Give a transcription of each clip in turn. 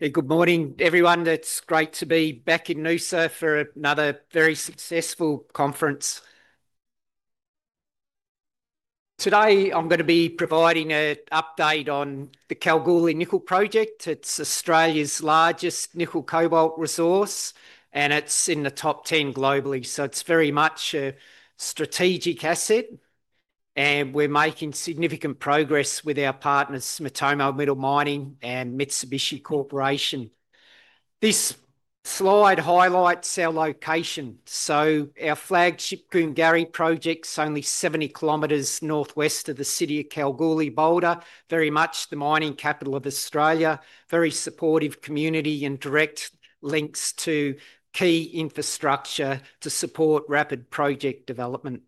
Good morning, everyone. It's great to be back in Noosa for another very successful conference. Today, I'm going to be providing an update on the Kalgoorlie Nickel Project. It's Australia's largest nickel-cobalt resource, and it's in the top 10 globally. It's very much a strategic asset, and we're making significant progress with our partners Mitsui Mining & Smelting Co., Ltd. and Mitsubishi Corporation. This slide highlights our location. Our flagship Koongari Project is only 70 km northwest of the city of Kalgoorlie-Boulder, very much the mining capital of Australia, very supportive community and direct links to key infrastructure to support rapid project development.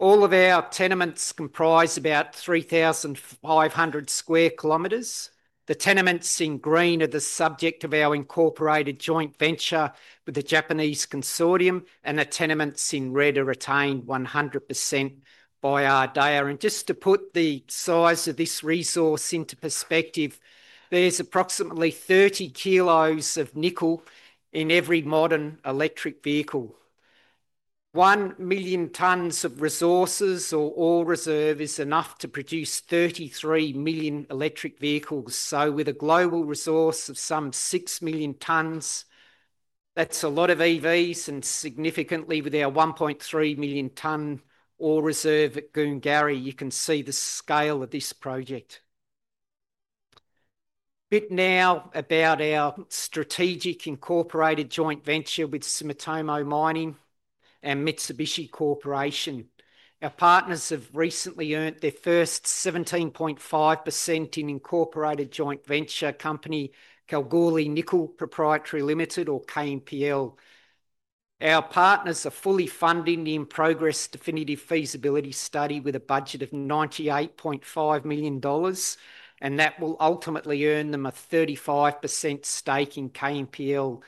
All of our tenements comprise about 3,500 sq km. The tenements in green are the subject of our incorporated joint venture with the Japanese consortium, and the tenements in red are retained 100% by Ardea. Just to put the size of this resource into perspective, there's approximately 30 kg of nickel in every modern electric vehicle. One million tonnes of resources or ore reserve is enough to produce 33 million electric vehicles. With a global resource of some 6 million tonnes, that's a lot of EVs, and significantly with our 1.3 million tonne ore reserve at Koongari, you can see the scale of this project. A bit now about our strategic incorporated joint venture with Mitsui Mining & Smelting Co., Ltd. and Mitsubishi Corporation. Our partners have recently earned their first 17.5% in incorporated joint venture company Kalgoorlie Nickel Proprietary Limited, or KNPL. Our partners are fully funding the in-progress definitive feasibility study with a budget of 98.5 million dollars, and that will ultimately earn them a 35% stake in KNPL.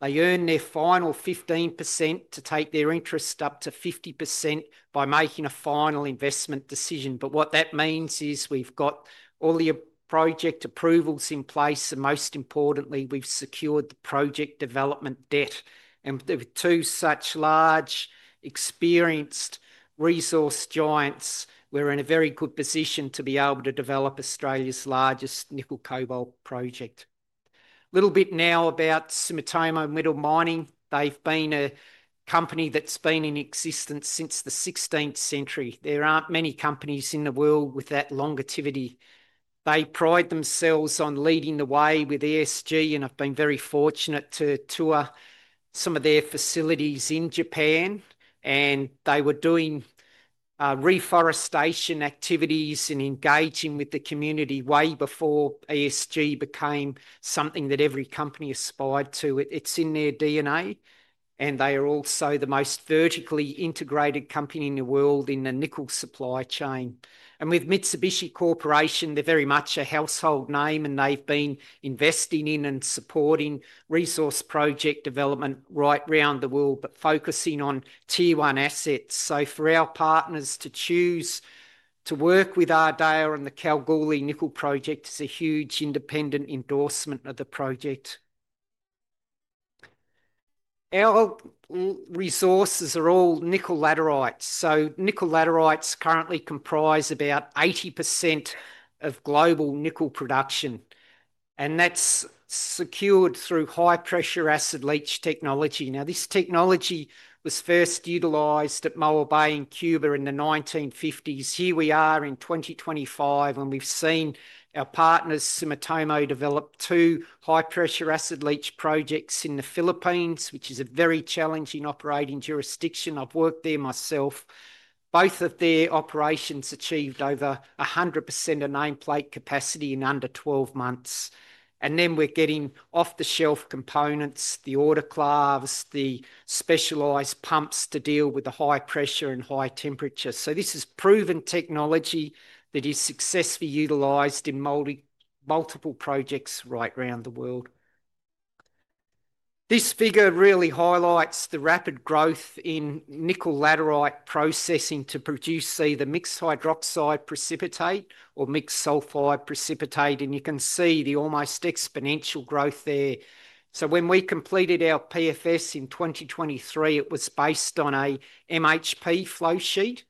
They earn their final 15% to take their interest up to 50% by making a final investment decision. What that means is we've got all the project approvals in place, and most importantly, we've secured the project development debt. With two such large, experienced resource giants, we're in a very good position to be able to develop Australia's largest nickel-cobalt project. A little bit now about Mitsui Mining & Smelting Co., Ltd. They've been a company that's been in existence since the 16th century. There aren't many companies in the world with that longevity. They pride themselves on leading the way with ESG, and I've been very fortunate to tour some of their facilities in Japan. They were doing reforestation activities and engaging with the community way before ESG became something that every company aspired to. It's in their DNA, and they are also the most vertically integrated company in the world in the nickel supply chain. With Mitsubishi Corporation, they're very much a household name, and they've been investing in and supporting resource project development right around the world, focusing on Tier 1 assets. For our partners to choose to work with Ardea on the Kalgoorlie Nickel Project is a huge independent endorsement of the project. Our resources are all nickel laterites. Nickel laterites currently comprise about 80% of global nickel production, and that's secured through high-pressure acid leach technology. This technology was first utilized at Moa Bay in Cuba in the 1950s. Here we are in 2025, and we've seen our partners Mitsui Mining & Smelting Co., Ltd. develop two high-pressure acid leach projects in the Philippines, which is a very challenging operating jurisdiction. I've worked there myself. Both of their operations achieved over 100% of nameplate capacity in under 12 months. We're getting off-the-shelf components, the autoclaves, the specialized pumps to deal with the high pressure and high temperature. This is proven technology that is successfully utilized in multiple projects right around the world. This figure really highlights the rapid growth in nickel laterite processing to produce either mixed hydroxide precipitate or mixed sulphide precipitate, and you can see the almost exponential growth there. When we completed our PFS in 2023, it was based on an MHP flow sheet.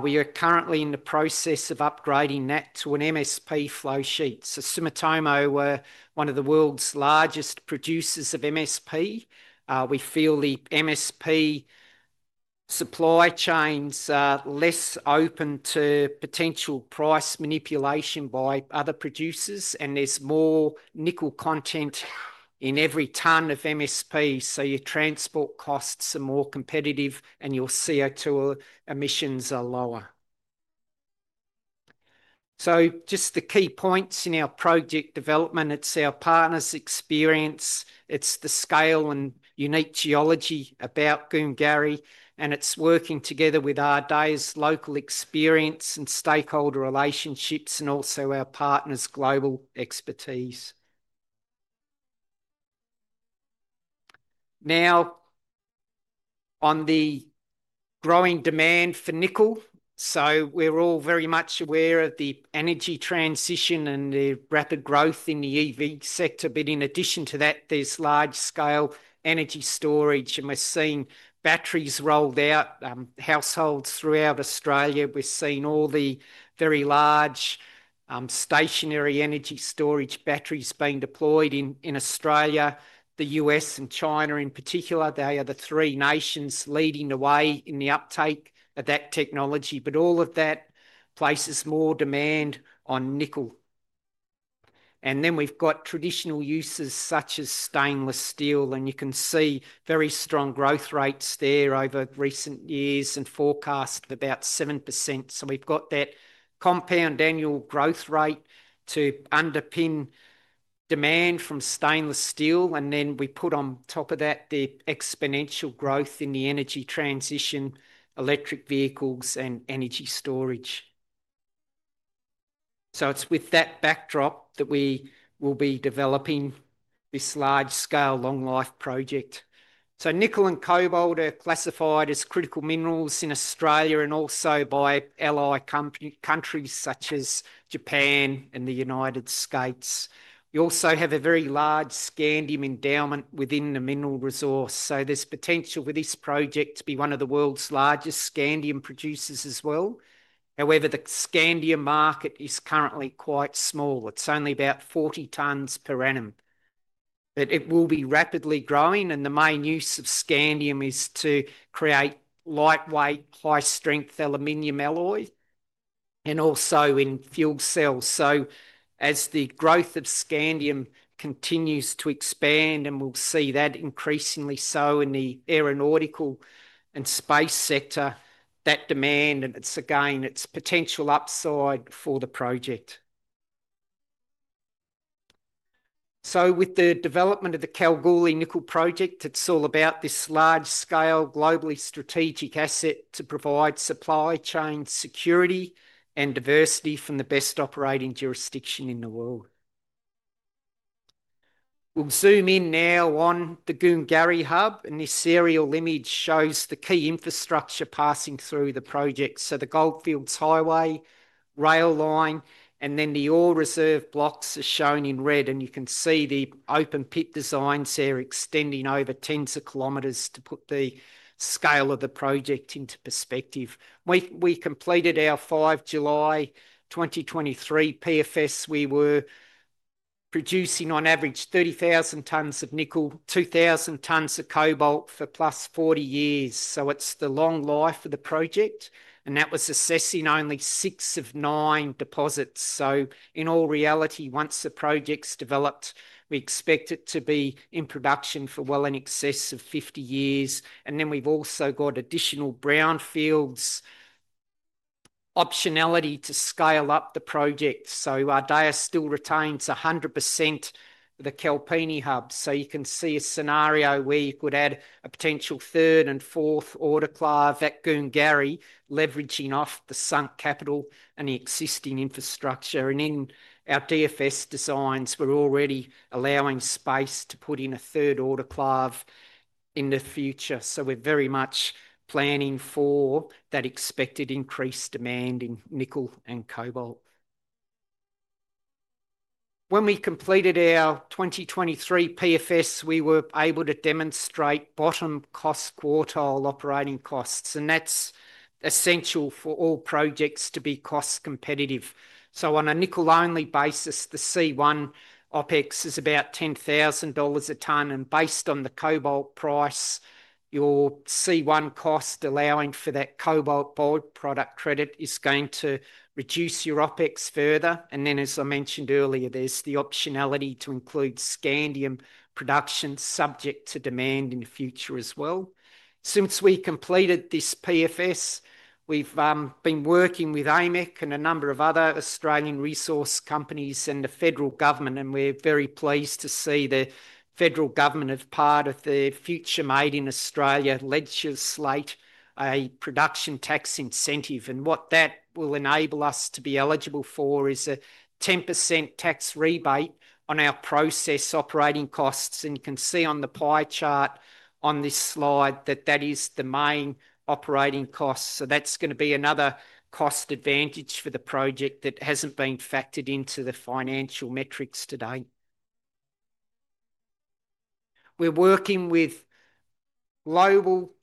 We are currently in the process of upgrading that to an MSP flow sheet. Mitsui Mining & Smelting Co., Ltd. is one of the world's largest producers of MSP. We feel the MSP supply chains are less open to potential price manipulation by other producers, and there's more nickel content in every tonne of MSP, so your transport costs are more competitive and your CO2 emissions are lower. The key points in our project development are our partners' experience, the scale and unique geology about Koongari, working together with Ardea's local experience and stakeholder relationships, and also our partners' global expertise. Now, on the growing demand for nickel, we're all very much aware of the energy transition and the rapid growth in the EV sector. In addition to that, there's large-scale energy storage, and we're seeing batteries rolled out to households throughout Australia. We're seeing all the very large stationary energy storage batteries being deployed in Australia. The U.S. and China in particular, they are the three nations leading the way in the uptake of that technology, but all of that places more demand on nickel. We've got traditional uses such as stainless steel, and you can see very strong growth rates there over recent years and forecasts of about 7%. We've got that compound annual growth rate to underpin demand from stainless steel, and then we put on top of that the exponential growth in the energy transition, electric vehicles, and energy storage. With that backdrop, we will be developing this large-scale long-life project. Nickel and cobalt are classified as critical minerals in Australia and also by ally countries such as Japan and the United States. We also have a very large scandium endowment within the mineral resource, so there's potential for this project to be one of the world's largest scandium producers as well. However, the scandium market is currently quite small. It's only about 40 tonnes per annum. It will be rapidly growing, and the main use of scandium is to create lightweight, high-strength aluminum alloys and also in fuel cells. As the growth of scandium continues to expand, we'll see that increasingly so in the aeronautical and space sector, that demand, and it's again, it's potential upside for the project. With the development of the Kalgoorlie Nickel Project, it's all about this large-scale, globally strategic asset to provide supply chain security and diversity from the best operating jurisdiction in the world. We'll zoom in now on the Koongari Hub, and this serial image shows the key infrastructure passing through the project. The Goldfields Highway rail line, and then the ore reserve blocks are shown in red, and you can see the open pit designs there extending over tens of km to put the scale of the project into perspective. We completed our 5 July 2023 PFS. We were producing on average 30,000 tonnes of nickel, 2,000 tonnes of cobalt for +40 years. It's the long life of the project, and that was assessing only six of nine deposits. In all reality, once the project's developed, we expect it to be in production for well in excess of 50 years. We've also got additional brownfields optionality to scale up the project. Ardea still retains 100% of the Kalpini Hub. You can see a scenario where you could add a potential third and fourth autoclave at Koongari, leveraging off the sunk capital and the existing infrastructure. In our DFS designs, we're already allowing space to put in a third autoclave in the future. We're very much planning for that expected increased demand in nickel and cobalt. When we completed our 2023 PFS, we were able to demonstrate bottom cost quartile operating costs, and that's essential for all projects to be cost competitive. On a nickel-only basis, the C1 OpEx is about 10,000 dollars a ton, and based on the cobalt price, your C1 cost allowing for that cobalt bulk product credit is going to reduce your OpEx further. As I mentioned earlier, there's the optionality to include scandium production subject to demand in the future as well. Since we completed this PFS, we've been working with AMEC and a number of other Australian resource companies and the federal government, and we're very pleased to see the federal government, as part of the Future Made in Australia legislation, a production tax incentive. What that will enable us to be eligible for is a 10% tax rebate on our process operating costs. You can see on the pie chart on this slide that that is the main operating cost. That's going to be another cost advantage for the project that hasn't been factored into the financial metrics today. We're working with local,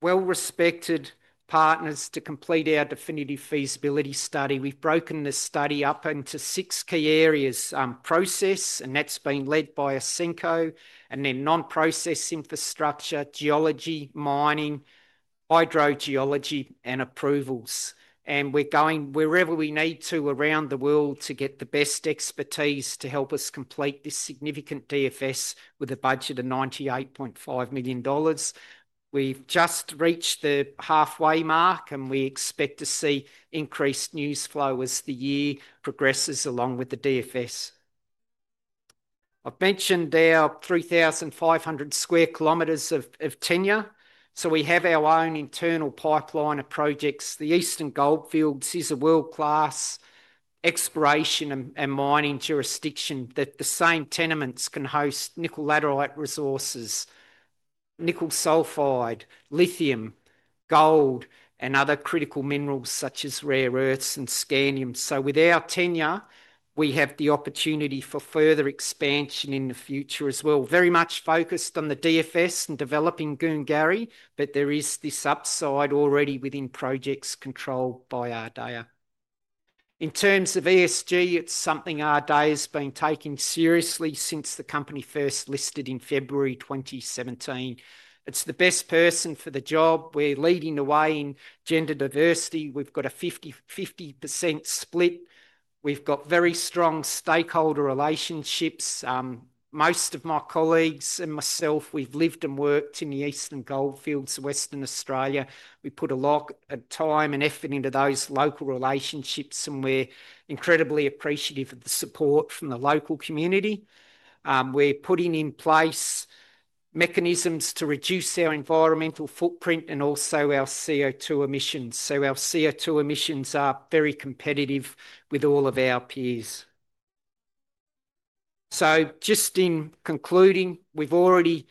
well-respected partners to complete our definitive feasibility study. We've broken this study up into six key areas: process, and that's been led by Ausenco, and then non-process infrastructure, geology, mining, hydrogeology, and approvals. We're going wherever we need to around the world to get the best expertise to help us complete this significant DFS with a budget of 98.5 million dollars. We've just reached the halfway mark, and we expect to see increased news flow as the year progresses along with the DFS. I've mentioned our 3,500 sq km of tenure. We have our own internal pipeline of projects. The Eastern Goldfields is a world-class exploration and mining jurisdiction that the same tenements can host nickel laterite resources, nickel sulphide, lithium, gold, and other critical minerals such as rare earth elements and scandium. With our tenure, we have the opportunity for further expansion in the future as well. Very much focused on the DFS and developing Koongari, but there is this upside already within projects controlled by Ardea. In terms of ESG, it's something Ardea has been taking seriously since the company first listed in February 2017. It's the best person for the job. We're leading the way in gender diversity. We've got a 50%/50% split. We've got very strong stakeholder relationships. Most of my colleagues and myself, we've lived and worked in the Eastern Goldfields of Western Australia. We put a lot of time and effort into those local relationships, and we're incredibly appreciative of the support from the local community. We're putting in place mechanisms to reduce our environmental footprint and also our CO2 emissions. Our CO2 emissions are very competitive with all of our peers. Just in concluding, we've already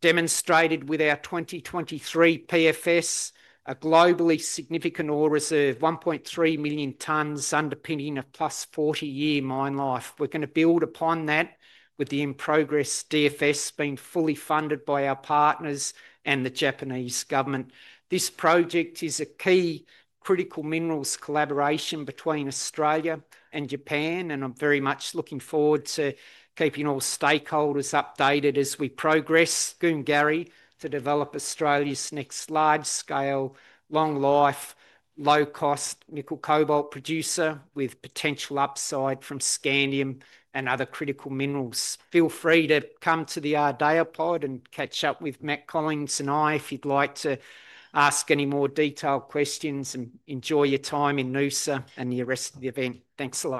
demonstrated with our 2023 PFS a globally significant ore reserve, 1.3 million tonnes, underpinning a +40-year mine life. We're going to build upon that with the in-progress DFS being fully funded by our partners and the Japanese government. This project is a key critical minerals collaboration between Australia and Japan, and I'm very much looking forward to keeping all stakeholders updated as we progress Koongari to develop Australia's next large-scale, long-life, low-cost nickel-cobalt producer with potential upside from scandium and other critical minerals. Feel free to come to the Ardea pod and catch up with Matt Collins and I if you'd like to ask any more detailed questions and enjoy your time in Noosa and the rest of the event. Thanks a lot.